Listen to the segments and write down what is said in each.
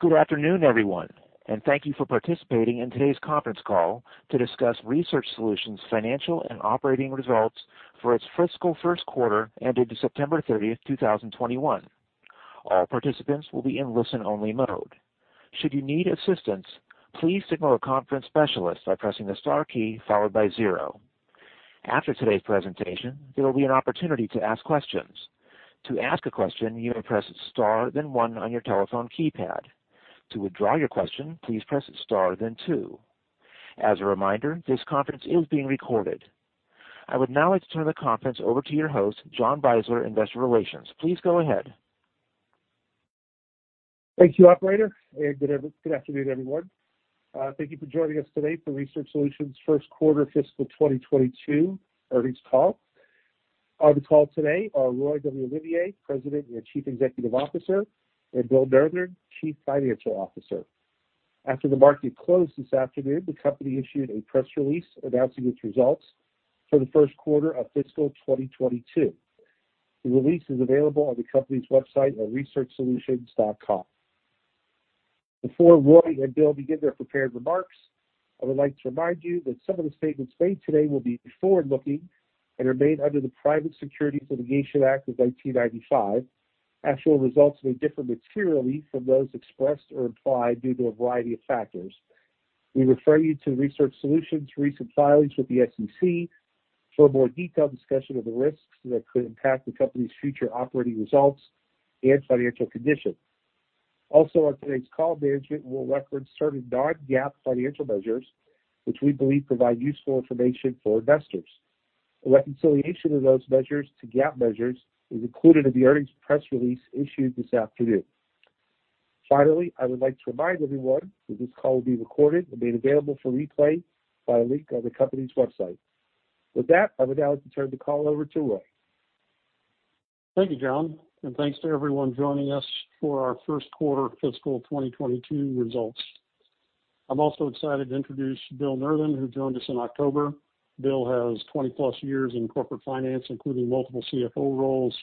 Good afternoon, everyone, and thank you for participating in today's conference call to discuss Research Solutions' financial and operating results for its fiscal first quarter ended September 30, 2021. All participants will be in listen-only mode. Should you need assistance, please signal a conference specialist by pressing the star key followed by zero. After today's presentation, there will be an opportunity to ask questions. To ask a question, you may press star then one on your telephone keypad. To withdraw your question, please press star then two. As a reminder, this conference is being recorded. I would now like to turn the conference over to your host, John Beisler, Investor Relations. Please go ahead. Thank you, operator, and good afternoon, everyone. Thank you for joining us today for Research Solutions' first quarter fiscal 2022 earnings call. On the call today are Roy W. Olivier, President and Chief Executive Officer, and Bill Nurthen, Chief Financial Officer. After the market closed this afternoon, the company issued a press release announcing its results for the first quarter of fiscal 2022. The release is available on the company's website at researchsolutions.com. Before Roy and Bill begin their prepared remarks, I would like to remind you that some of the statements made today will be forward-looking and are made under the Private Securities Litigation Reform Act of 1995. Actual results may differ materially from those expressed or implied due to a variety of factors. We refer you to Research Solutions' recent filings with the SEC for a more detailed discussion of the risks that could impact the company's future operating results and financial condition. Also, on today's call, management will record certain non-GAAP financial measures which we believe provide useful information for investors. A reconciliation of those measures to GAAP measures is included in the earnings press release issued this afternoon. Finally, I would like to remind everyone that this call will be recorded and made available for replay by a link on the company's website. With that, I would now like to turn the call over to Roy. Thank you, John, and thanks to everyone joining us for our first quarter fiscal 2022 results. I'm also excited to introduce Bill Nurthen, who joined us in October. Bill has 20+ years in corporate finance, including multiple CFO roles,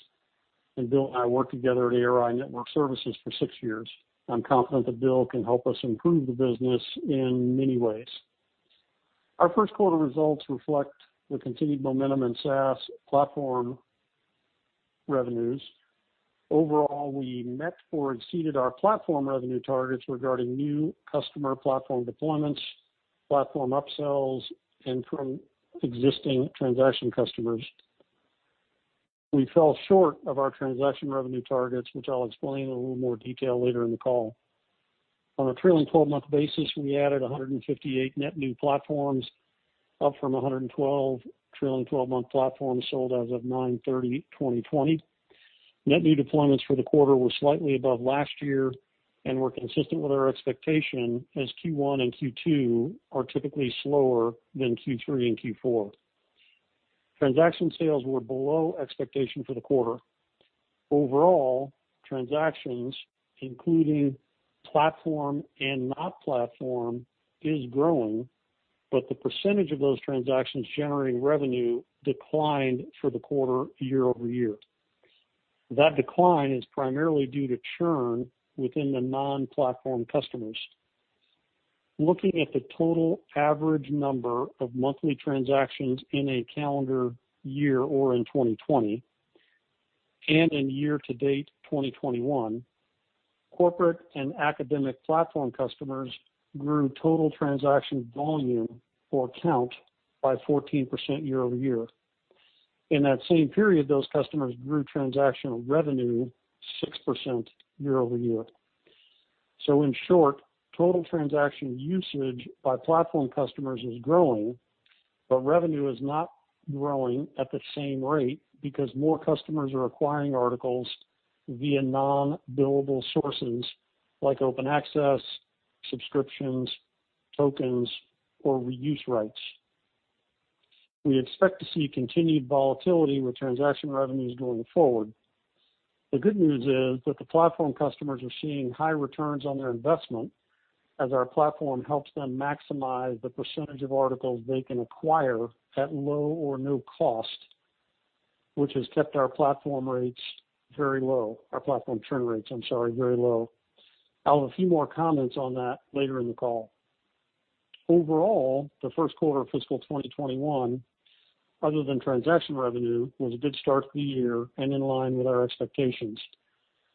and Bill and I worked together at ARI Network Services for six years. I'm confident that Bill can help us improve the business in many ways. Our first quarter results reflect the continued momentum in SaaS platform revenues. Overall, we met or exceeded our platform revenue targets regarding new customer platform deployments, platform upsells, and from existing transaction customers. We fell short of our transaction revenue targets, which I'll explain in a little more detail later in the call. On a trailing 12-month basis, we added 158 net new platforms, up from 112 trailing 12-month platforms sold as of 9/30/2020. Net new deployments for the quarter were slightly above last year and were consistent with our expectation as Q1 and Q2 are typically slower than Q3 and Q4. Transaction sales were below expectation for the quarter. Overall, transactions, including platform and non-platform, is growing, but the percentage of those transactions generating revenue declined for the quarter year-over-year. That decline is primarily due to churn within the non-platform customers. Looking at the total average number of monthly transactions in a calendar year or in 2020 and in year-to-date 2021, corporate and academic platform customers grew total transaction volume or count by 14% year-over-year. In that same period, those customers grew transactional revenue 6% year-over-year. In short, total transaction usage by platform customers is growing, but revenue is not growing at the same rate because more customers are acquiring articles via non-billable sources like open access, subscriptions, tokens, or reuse rights. We expect to see continued volatility with transaction revenues going forward. The good news is that the platform customers are seeing high returns on their investment as our platform helps them maximize the percentage of articles they can acquire at low or no cost, which has kept our platform churn rates very low. I'll have a few more comments on that later in the call. Overall, the first quarter of fiscal 2021, other than transaction revenue, was a good start to the year and in line with our expectations.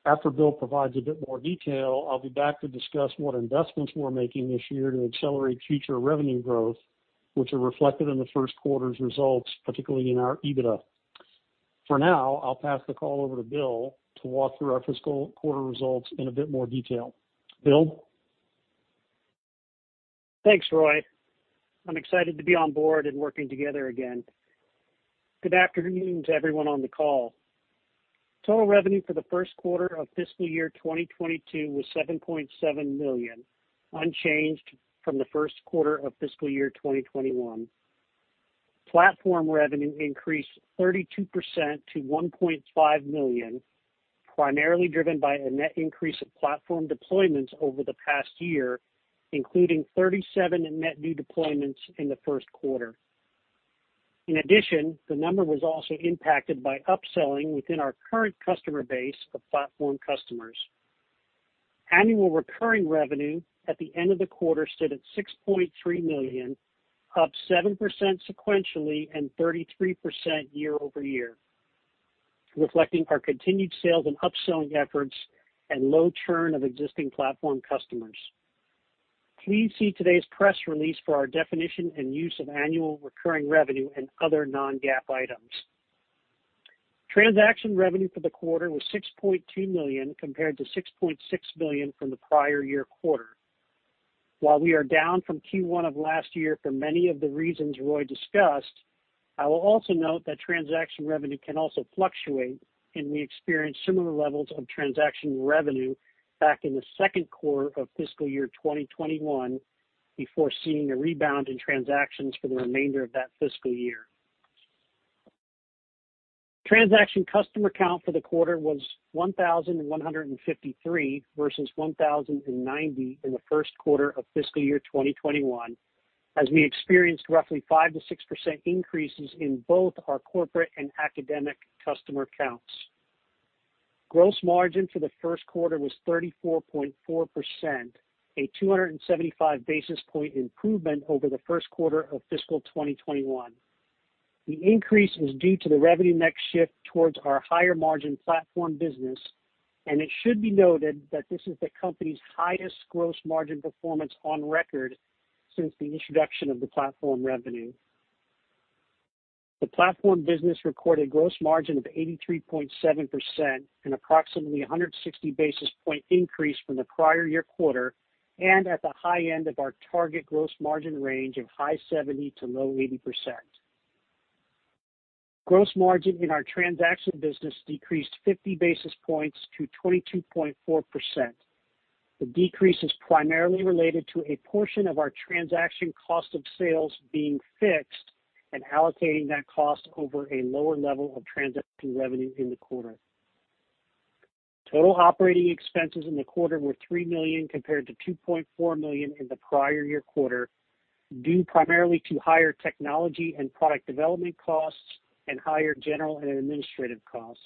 After Bill provides a bit more detail, I'll be back to discuss what investments we're making this year to accelerate future revenue growth, which are reflected in the first quarter's results, particularly in our EBITDA. For now, I'll pass the call over to Bill to walk through our fiscal quarter results in a bit more detail. Bill? Thanks, Roy. I'm excited to be on board and working together again. Good afternoon to everyone on the call. Total revenue for the first quarter of fiscal year 2022 was $7.7 million, unchanged from the first quarter of fiscal year 2021. Platform revenue increased 32% to $1.5 million, primarily driven by a net increase of platform deployments over the past year, including 37 in net new deployments in the first quarter. In addition, the number was also impacted by upselling within our current customer base of platform customers. Annual recurring revenue at the end of the quarter stood at $6.3 million, up 7% sequentially and 33% year-over-year, reflecting our continued sales and upselling efforts and low churn of existing platform customers. Please see today's press release for our definition and use of annual recurring revenue and other non-GAAP items. Transaction revenue for the quarter was $6.2 million compared to $6.6 million from the prior year quarter. While we are down from Q1 of last year for many of the reasons Roy discussed, I will also note that transaction revenue can also fluctuate, and we experienced similar levels of transaction revenue back in the second quarter of fiscal year 2021 before seeing a rebound in transactions for the remainder of that fiscal year. Transaction customer count for the quarter was 1,153 versus 1,090 in the first quarter of fiscal year 2021, as we experienced roughly 5%-6% increases in both our corporate and academic customer counts. Gross margin for the first quarter was 34.4%, a 275 basis point improvement over the first quarter of fiscal 2021. The increase was due to the revenue mix shift towards our higher-margin platform business, and it should be noted that this is the company's highest gross margin performance on record since the introduction of the platform revenue. The platform business recorded gross margin of 83.7%, approximately 160 basis points increase from the prior year quarter, and at the high end of our target gross margin range of high 70%-low 80%. Gross margin in our transaction business decreased 50 basis points to 22.4%. The decrease is primarily related to a portion of our transaction cost of sales being fixed and allocating that cost over a lower level of transaction revenue in the quarter. Total operating expenses in the quarter were $3 million compared to $2.4 million in the prior year quarter, due primarily to higher technology and product development costs and higher general and administrative costs.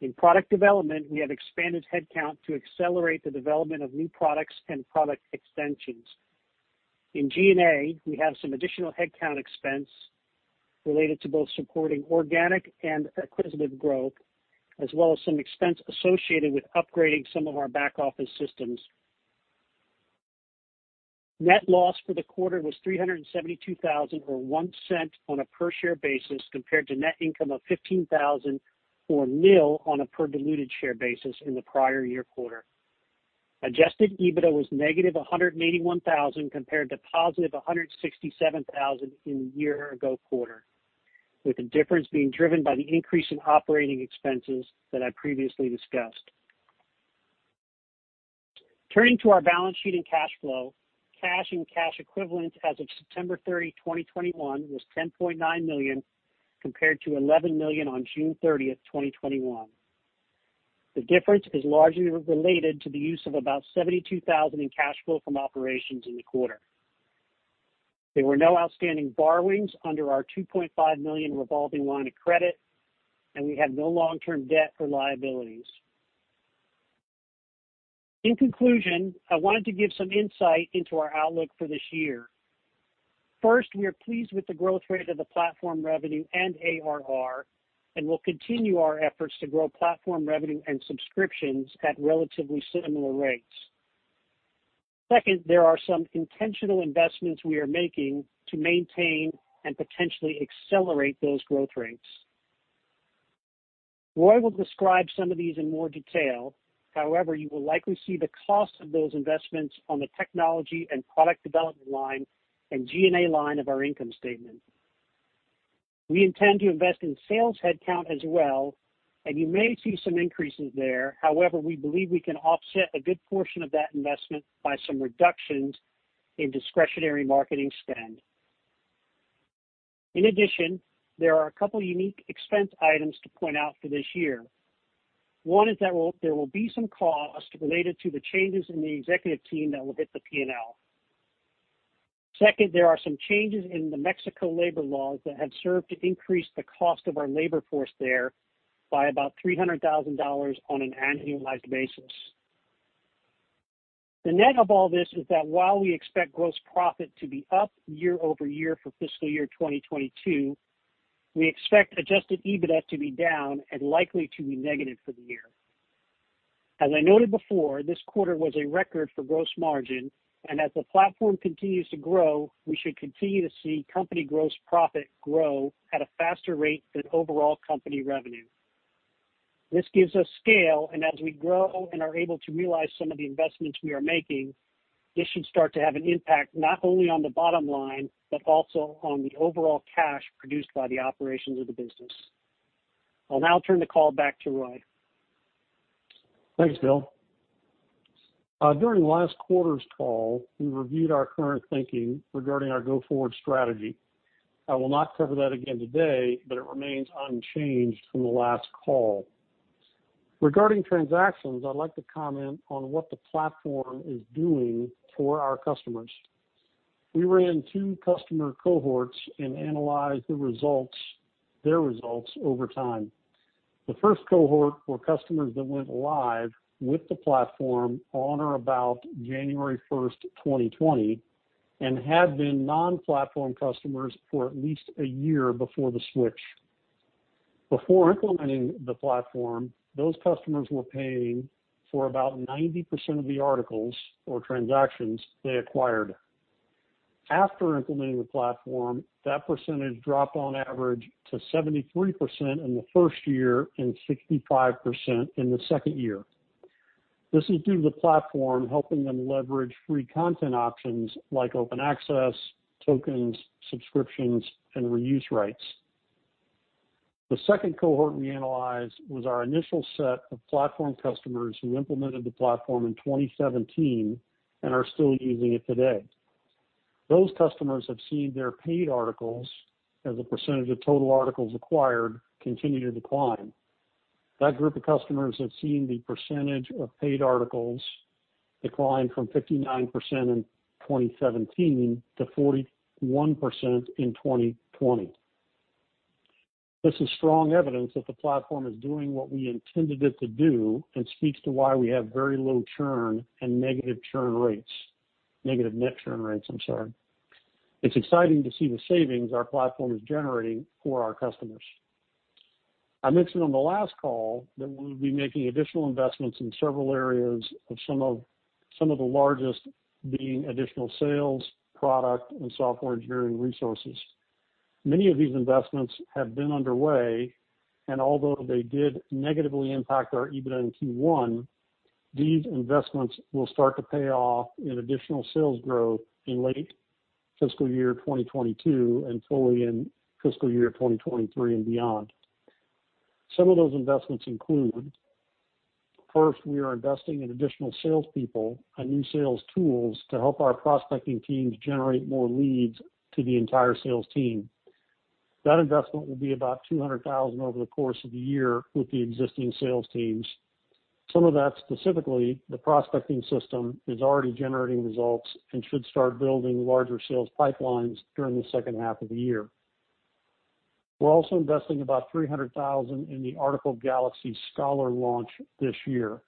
In product development, we have expanded headcount to accelerate the development of new products and product extensions. In G&A, we have some additional headcount expense related to both supporting organic and acquisitive growth, as well as some expense associated with upgrading some of our back-office systems. Net loss for the quarter was $372,000 or $0.01 on a per-share basis compared to net income of $15,000 or nil on a per diluted share basis in the prior year quarter. Adjusted EBITDA was -$181,000 compared to +$167,000 in the year ago quarter, with the difference being driven by the increase in operating expenses that I previously discussed. Turning to our balance sheet and cash flow, cash and cash equivalents as of September 30, 2021 was $10.9 million compared to $11 million on June 30, 2021. The difference is largely related to the use of about $72,000 in cash flow from operations in the quarter. There were no outstanding borrowings under our $2.5 million revolving line of credit, and we had no long-term debt or liabilities. In conclusion, I wanted to give some insight into our outlook for this year. First, we are pleased with the growth rate of the platform revenue and ARR, and we'll continue our efforts to grow platform revenue and subscriptions at relatively similar rates. Second, there are some intentional investments we are making to maintain and potentially accelerate those growth rates. Roy will describe some of these in more detail. However, you will likely see the cost of those investments on the technology and product development line and G&A line of our income statement. We intend to invest in sales headcount as well, and you may see some increases there. However, we believe we can offset a good portion of that investment by some reductions in discretionary marketing spend. In addition, there are a couple unique expense items to point out for this year. One is there will be some costs related to the changes in the executive team that will hit the P&L. Second, there are some changes in the Mexico labor laws that have served to increase the cost of our labor force there by about $300,000 on an annualized basis. The net of all this is that while we expect gross profit to be up year-over-year for fiscal year 2022, we expect adjusted EBITDA to be down and likely to be negative for the year. As I noted before, this quarter was a record for gross margin, and as the platform continues to grow, we should continue to see company gross profit grow at a faster rate than overall company revenue. This gives us scale, and as we grow and are able to realize some of the investments we are making, this should start to have an impact not only on the bottom line but also on the overall cash produced by the operations of the business. I'll now turn the call back to Roy. Thanks, Bill. During last quarter's call, we reviewed our current thinking regarding our go-forward strategy. I will not cover that again today, but it remains unchanged from the last call. Regarding transactions, I'd like to comment on what the platform is doing for our customers. We ran two customer cohorts and analyzed the results, their results over time. The first cohort were customers that went live with the platform on or about January 1, 2020, and had been non-platform customers for at least a year before the switch. Before implementing the platform, those customers were paying for about 90% of the articles or transactions they acquired. After implementing the platform, that percentage dropped on average to 73% in the first year and 65% in the second year. This is due to the platform helping them leverage free content options like open access, tokens, subscriptions, and reuse rights. The second cohort we analyzed was our initial set of platform customers who implemented the platform in 2017 and are still using it today. Those customers have seen their paid articles as a percentage of total articles acquired continue to decline. That group of customers have seen the percentage of paid articles decline from 59% in 2017 to 41% in 2020. This is strong evidence that the platform is doing what we intended it to do and speaks to why we have very low churn and negative churn rates. Negative net churn rates, I'm sorry. It's exciting to see the savings our platform is generating for our customers. I mentioned on the last call that we would be making additional investments in several areas, some of the largest being additional sales, product, and software engineering resources. Many of these investments have been underway, and although they did negatively impact our EBITDA in Q1, these investments will start to pay off in additional sales growth in late fiscal year 2022 and fully in fiscal year 2023 and beyond. Some of those investments include, first, we are investing in additional salespeople and new sales tools to help our prospecting teams generate more leads to the entire sales team. That investment will be about $200,000 over the course of the year with the existing sales teams. Some of that, specifically the prospecting system, is already generating results and should start building larger sales pipelines during the second half of the year. We're also investing about $300,000 in the Article Galaxy Scholar launch this year.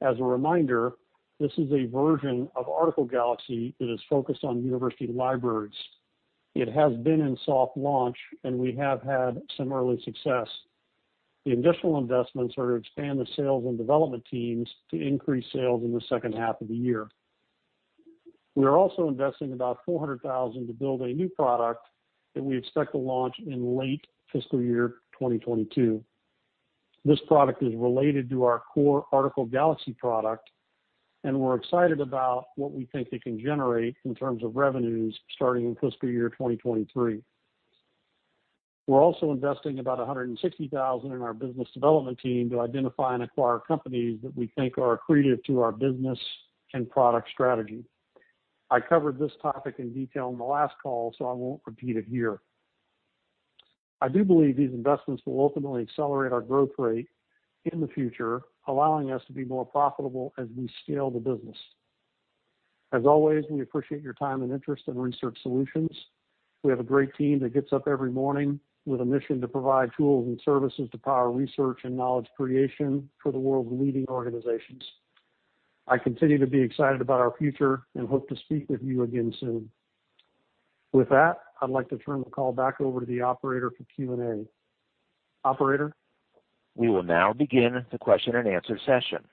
As a reminder, this is a version of Article Galaxy that is focused on university libraries. It has been in soft launch, and we have had some early success. The additional investments are to expand the sales and development teams to increase sales in the second half of the year. We are also investing about $400,000 to build a new product that we expect to launch in late fiscal year 2022. This product is related to our core Article Galaxy product, and we're excited about what we think it can generate in terms of revenues starting in fiscal year 2023. We're also investing about $160,000 in our business development team to identify and acquire companies that we think are accretive to our business and product strategy. I covered this topic in detail on the last call, so I won't repeat it here. I do believe these investments will ultimately accelerate our growth rate in the future, allowing us to be more profitable as we scale the business. As always, we appreciate your time and interest in Research Solutions. We have a great team that gets up every morning with a mission to provide tools and services to power research and knowledge creation for the world's leading organizations. I continue to be excited about our future and hope to speak with you again soon. With that, I'd like to turn the call back over to the operator for Q&A. Operator? We will now begin the question-and-answer session.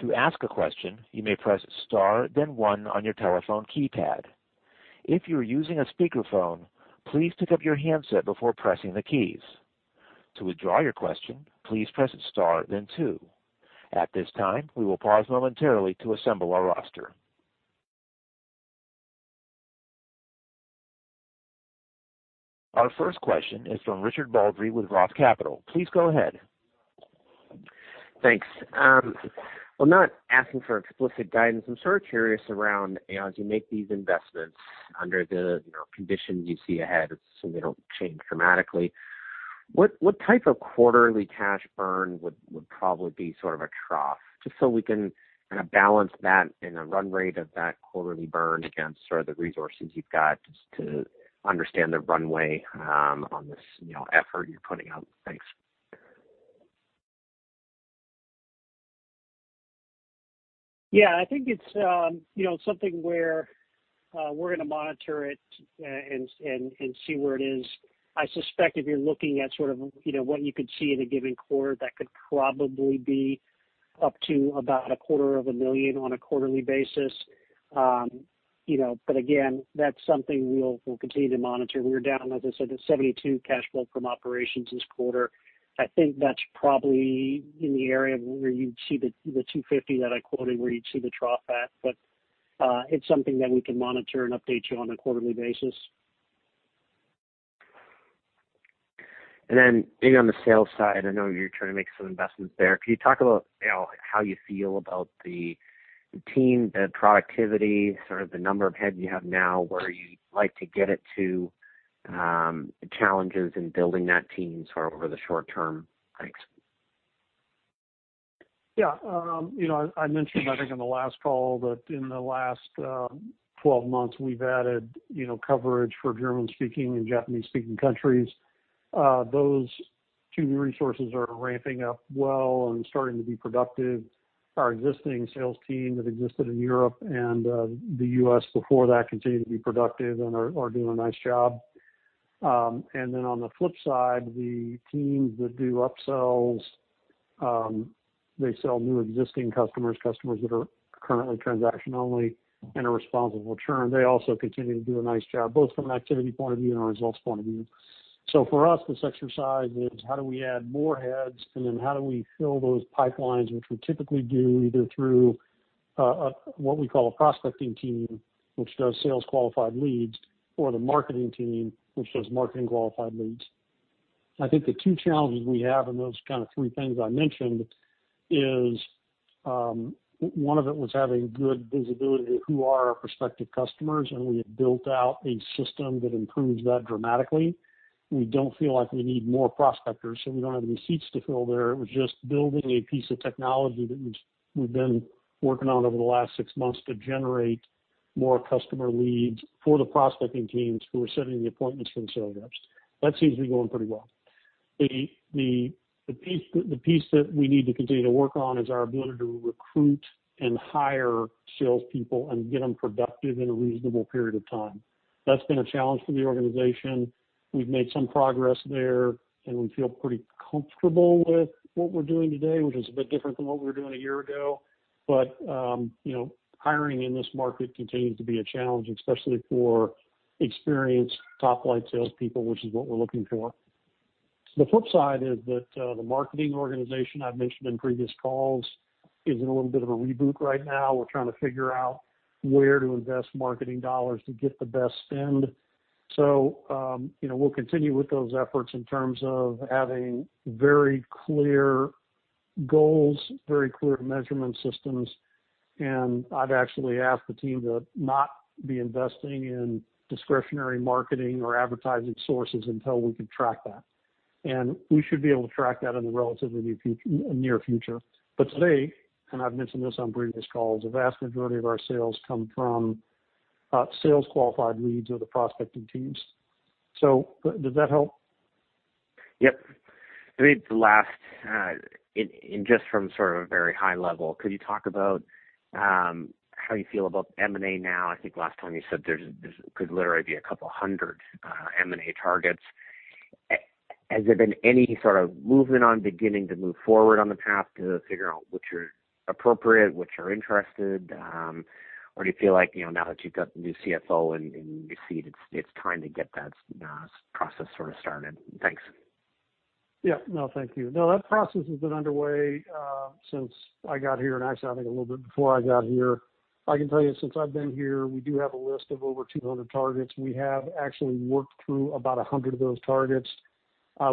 To ask a question, you may press star then one on your telephone keypad. If you are using a speakerphone, please pick up your handset before pressing the keys. To withdraw your question, please press star then two. At this time, we will pause momentarily to assemble our roster. Our first question is from Richard Baldry with Roth Capital. Please go ahead. Thanks. Well, I'm not asking for explicit guidance. I'm sort of curious around, you know, as you make these investments under the, you know, conditions you see ahead, assuming they don't change dramatically, what type of quarterly cash burn would probably be sort of a trough, just so we can kind of balance that in a run rate of that quarterly burn against sort of the resources you've got just to understand the runway, on this, you know, effort you're putting out. Thanks. Yeah, I think it's, you know, something where we're gonna monitor it, and see where it is. I suspect if you're looking at sort of, you know, what you could see in a given quarter, that could probably be up to about a quarter of a million on a quarterly basis. You know, but again, that's something we'll continue to monitor. We were down, as I said, at $72 cash flow from operations this quarter. I think that's probably in the area where you'd see the $250 that I quoted, where you'd see the trough at. It's something that we can monitor and update you on a quarterly basis. Being on the sales side, I know you're trying to make some investments there. Can you talk about, you know, like how you feel about the team, the productivity, sort of the number of heads you have now, where you'd like to get it to? Challenges in building that team sort of over the short term? Thanks. Yeah. You know, I mentioned, I think on the last call that in the last 12 months we've added, you know, coverage for German-speaking and Japanese-speaking countries. Those two resources are ramping up well and starting to be productive. Our existing sales team that existed in Europe and the U.S. before that continue to be productive and are doing a nice job. And then on the flip side, the teams that do upsells, they sell to new and existing customers that are currently transaction-only and responsible churn. They also continue to do a nice job, both from an activity point of view and a results point of view. For us, this exercise is how do we add more heads, and then how do we fill those pipelines, which we typically do either through what we call a prospecting team, which does sales-qualified leads, or the marketing team, which does marketing-qualified leads. I think the two challenges we have in those kind of three things I mentioned is one of it was having good visibility of who are our prospective customers, and we have built out a system that improves that dramatically. We don't feel like we need more prospectors, so we don't have any seats to fill there. It was just building a piece of technology we've been working on over the last six months to generate more customer leads for the prospecting teams who are setting the appointments for the sales reps. That seems to be going pretty well. The piece that we need to continue to work on is our ability to recruit and hire salespeople and get them productive in a reasonable period of time. That's been a challenge for the organization. We've made some progress there, and we feel pretty comfortable with what we're doing today, which is a bit different than what we were doing a year ago. You know, hiring in this market continues to be a challenge, especially for experienced top-line salespeople, which is what we're looking for. The flip side is that the marketing organization I've mentioned in previous calls is in a little bit of a reboot right now. We're trying to figure out where to invest marketing dollars to get the best spend. You know, we'll continue with those efforts in terms of having very clear goals, very clear measurement systems. I've actually asked the team to not be investing in discretionary marketing or advertising sources until we can track that. We should be able to track that in the relatively near future. Today, and I've mentioned this on previous calls, the vast majority of our sales come from sales-qualified leads or the prospecting teams. Does that help? Yep. Maybe the last and just from sort of a very high level, could you talk about how you feel about M&A now? I think last time you said there could literally be a couple hundred M&A targets. Has there been any sort of movement on beginning to move forward on the path to figure out which are appropriate, which are interested? Do you feel like, you know, now that you've got the new CFO in your seat, it's time to get that process sort of started? Thanks. Yeah. No, thank you. No, that process has been underway since I got here and actually I think a little bit before I got here. I can tell you since I've been here, we do have a list of over 200 targets. We have actually worked through about 100 of those targets.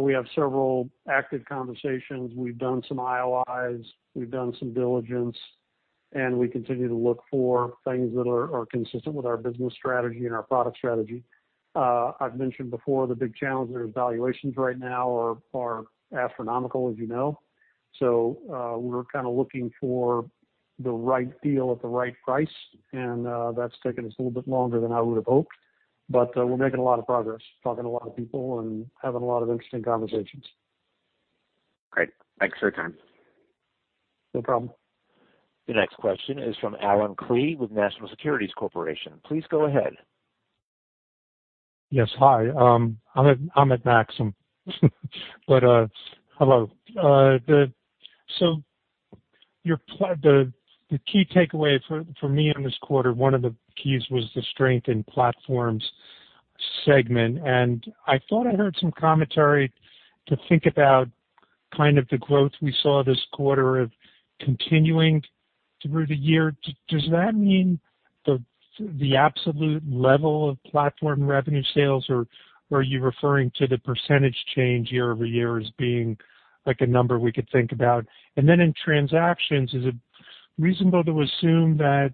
We have several active conversations. We've done some IOIs, we've done some diligence, and we continue to look for things that are consistent with our business strategy and our product strategy. I've mentioned before the big challenge there is valuations right now are astronomical, as you know. We're kinda looking for the right deal at the right price, and that's taken us a little bit longer than I would've hoped. We're making a lot of progress, talking to a lot of people and having a lot of interesting conversations. Great. Thanks for your time. No problem. The next question is from Allen Klee with National Securities Corporation. Please go ahead. Yes. Hi. I'm at Maxim. Hello. The key takeaway for me in this quarter, one of the keys was the strength in platforms segment. I thought I heard some commentary to think about kind of the growth we saw this quarter of continuing through the year. Does that mean the absolute level of platform revenue sales, or were you referring to the percentage change year-over-year as being like a number we could think about? Then in transactions, is it reasonable to assume that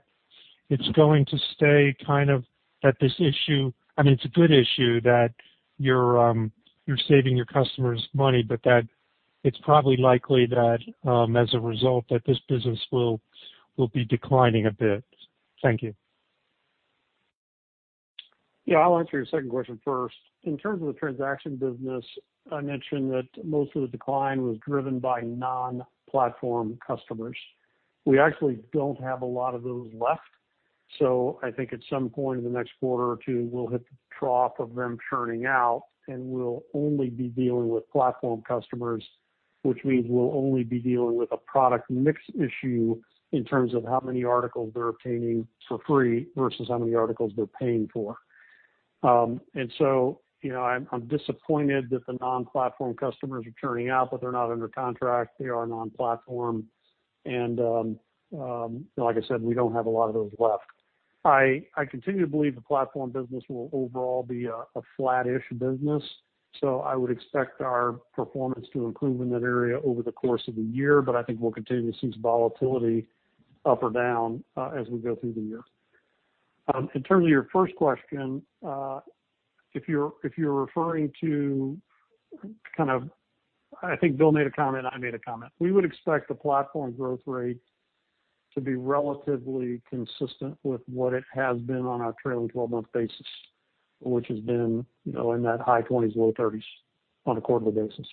it's going to stay kind of at this issue? I mean, it's a good issue that you're saving your customers money, but that it's probably likely that as a result that this business will be declining a bit. Thank you. Yeah. I'll answer your second question first. In terms of the transaction business, I mentioned that most of the decline was driven by non-platform customers. We actually don't have a lot of those left, so I think at some point in the next quarter or two, we'll hit the trough of them churning out, and we'll only be dealing with platform customers, which means we'll only be dealing with a product mix issue in terms of how many articles they're obtaining for free versus how many articles they're paying for. You know, I'm disappointed that the non-platform customers are churning out, but they're not under contract. They are non-platform. Like I said, we don't have a lot of those left. I continue to believe the platform business will overall be a flat-ish business, so I would expect our performance to improve in that area over the course of the year. I think we'll continue to see some volatility up or down, as we go through the year. In terms of your first question, if you're referring to kind of, I think Bill made a comment, I made a comment. We would expect the platform growth rate to be relatively consistent with what it has been on our trailing `12-month basis, which has been, you know, in that high 20s-low 30s on a quarterly basis.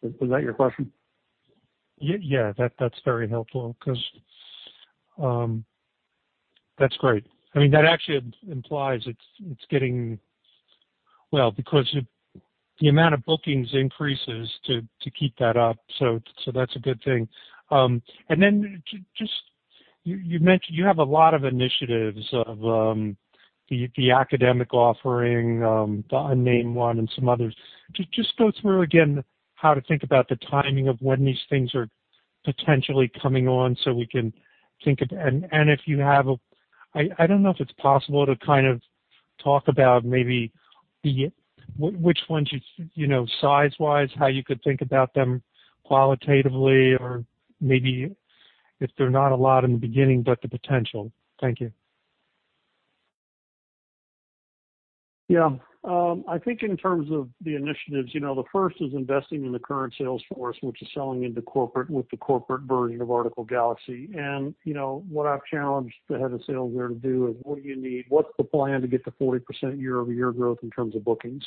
Was that your question? Yeah, that's very helpful because that's great. I mean, that actually implies it's getting better. Well, because the amount of bookings increases to keep that up, that's a good thing. You mentioned you have a lot of initiatives of the academic offering, the unnamed one and some others. Just go through again how to think about the timing of when these things are potentially coming on so we can think of it. If you have, I don't know if it's possible to kind of talk about maybe which ones you know, size-wise, how you could think about them qualitatively or maybe if they're not a lot in the beginning, but the potential. Thank you. Yeah. I think in terms of the initiatives, you know, the first is investing in the current sales force, which is selling into corporate with the corporate version of Article Galaxy. You know, what I've challenged the head of sales there to do is, what do you need? What's the plan to get to 40% year-over-year growth in terms of bookings?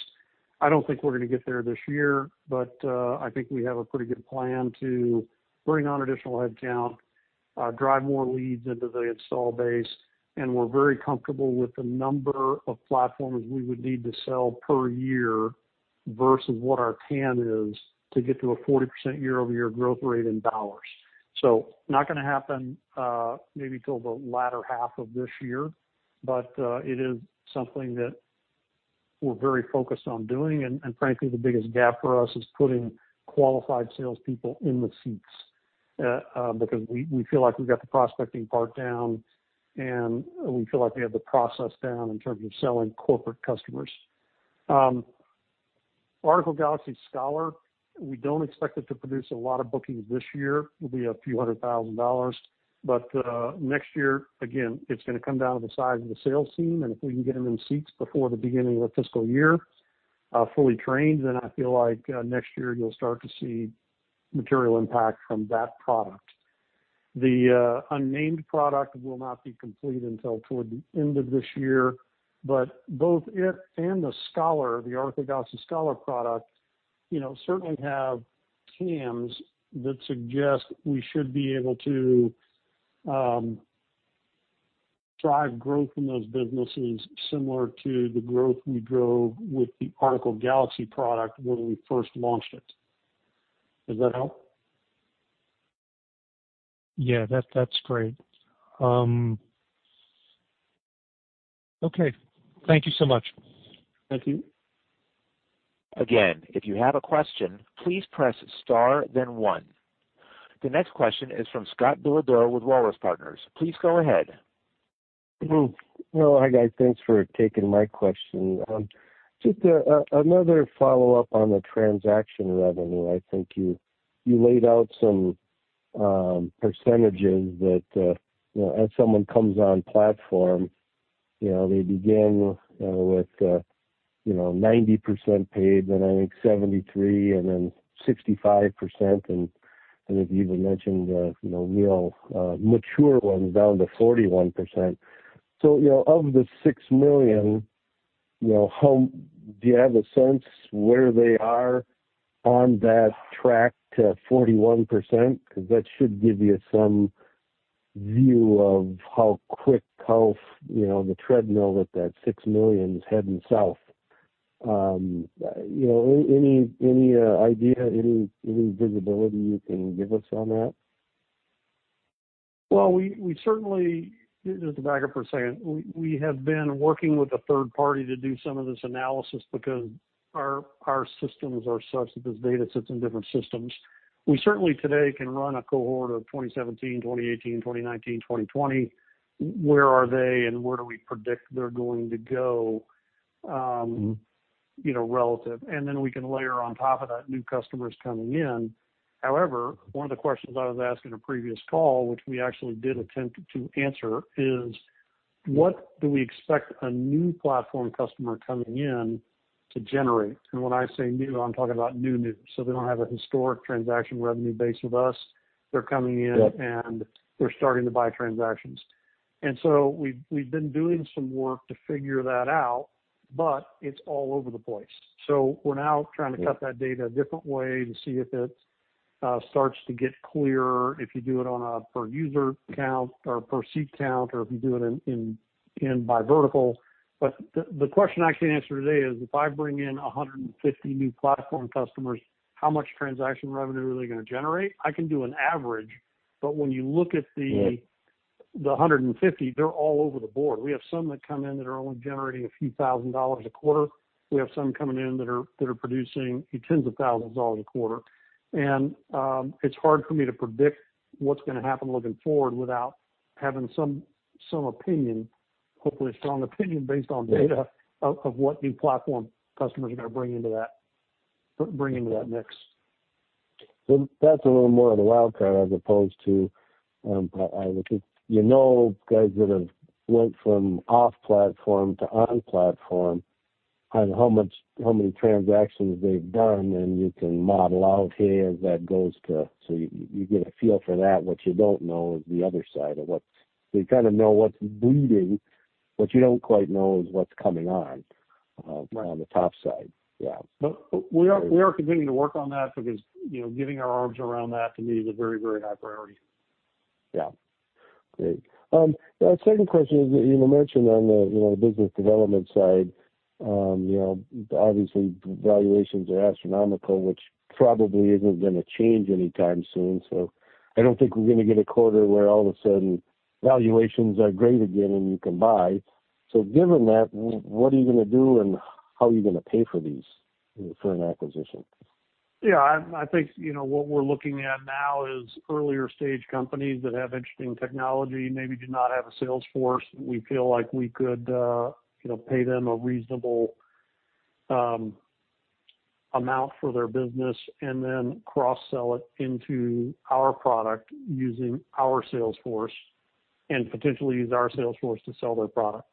I don't think we're gonna get there this year, but, I think we have a pretty good plan to bring on additional headcount, drive more leads into the install base, and we're very comfortable with the number of platforms we would need to sell per year versus what our TAM is to get to a 40% year-over-year growth rate in dollars. Not gonna happen, maybe till the latter half of this year, but it is something that we're very focused on doing. Frankly, the biggest gap for us is putting qualified salespeople in the seats. Because we feel like we've got the prospecting part down, and we feel like we have the process down in terms of selling corporate customers. Article Galaxy Scholar, we don't expect it to produce a lot of bookings this year. It'll be a few hundred thousand dollars. Next year, again, it's gonna come down to the size of the sales team, and if we can get them in seats before the beginning of the fiscal year, fully trained, then I feel like next year you'll start to see material impact from that product. The unnamed product will not be complete until toward the end of this year, but both it and the Scholar, the Article Galaxy Scholar product, you know, certainly have TAMs that suggest we should be able to drive growth in those businesses similar to the growth we drove with the Article Galaxy product when we first launched it. Does that help? Yeah, that's great. Okay. Thank you so much. Thank you. Again, if you have a question, please press star then one. The next question is from Scott Billeadeau with Walrus Partners. Please go ahead. Well, hi guys. Thanks for taking my question. Just another follow-up on the transaction revenue. I think you laid out some percentages that you know, as someone comes on platform, you know, they begin with you know, 90% paid, then I think 73%, and then 65%. If you even mentioned the you know, real mature ones down to 41%. You know, of the $6 million, you know, how do you have a sense where they are on that track to 41%? 'Cause that should give you some view of how quick, how, you know, the treadmill that that $6 million is heading south. You know, any idea, any visibility you can give us on that? Well, we certainly just to back up for a second. We have been working with a third party to do some of this analysis because our systems are such that there's data sets in different systems. We certainly today can run a cohort of 2017, 2018, 2019, 2020, where they are and where we predict they're going to go, relative. We can layer on top of that new customers coming in. However, one of the questions I was asked in a previous call, which we actually did attempt to answer, is what do we expect a new platform customer coming in to generate? When I say new, I'm talking about new. They don't have a historic transaction revenue base with us. Yep. They're coming in, and they're starting to buy transactions. We've been doing some work to figure that out, but it's all over the place. We're now trying to cut that data a different way to see if it starts to get clearer if you do it on a per user count or per seat count or if you do it in by vertical. The question I can't answer today is, if I bring in 150 new platform customers, how much transaction revenue are they gonna generate? I can do an average, but when you look at the- Yeah. 150, they're all over the board. We have some that come in that are only generating a few thousand dollars a quarter. We have some coming in that are producing tens of thousands dollars a quarter. It's hard for me to predict what's gonna happen looking forward without having some opinion, hopefully a strong opinion based on data of what new platform customers are gonna bring into that bringing that mix. That's a little more of the wild card as opposed to, but I would keep. You know, guys that have went from off platform to on platform and how many transactions they've done, and you can model out here as that goes to, you get a feel for that. What you don't know is the other side of what. You kinda know what's bleeding, what you don't quite know is what's coming on. Right. on the top side. Yeah. We are continuing to work on that because, you know, getting our arms around that, to me, is a very, very high priority. Yeah. Great. The second question is, you know, mentioned on the, you know, the business development side, you know, obviously valuations are astronomical, which probably isn't gonna change anytime soon. I don't think we're gonna get a quarter where all of a sudden valuations are great again and you can buy. Given that, what are you gonna do and how are you gonna pay for these for an acquisition? Yeah, I think, you know, what we're looking at now is earlier stage companies that have interesting technology, maybe do not have a sales force. We feel like we could, you know, pay them a reasonable amount for their business and then cross-sell it into our product using our sales force and potentially use our sales force to sell their product.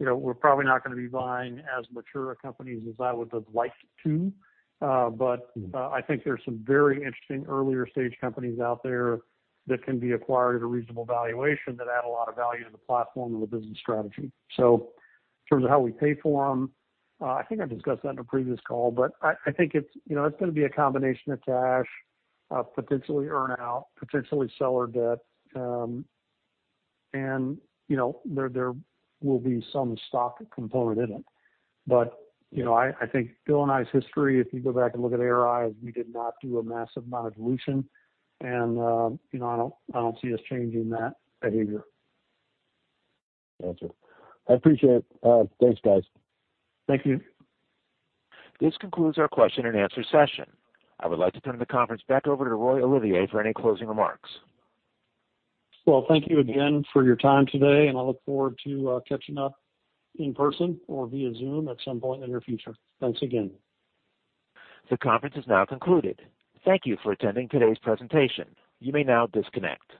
You know, we're probably not gonna be buying as mature a company as I would have liked to, but. Mm. I think there's some very interesting earlier stage companies out there that can be acquired at a reasonable valuation that add a lot of value to the platform and the business strategy. In terms of how we pay for them, I think I've discussed that in a previous call, but I think it's, you know, it's gonna be a combination of cash, potentially earn out, potentially seller debt. You know, there will be some stock component in it. You know, I think Bill and I's history, if you go back and look at ARI, is we did not do a massive amount of dilution and, you know, I don't see us changing that behavior. Gotcha. I appreciate it. Thanks, guys. Thank you. This concludes our question and answer session. I would like to turn the conference back over to Roy Olivier for any closing remarks. Well, thank you again for your time today, and I look forward to catching up in person or via Zoom at some point in the near future. Thanks again. The conference is now concluded. Thank you for attending today's presentation. You may now disconnect.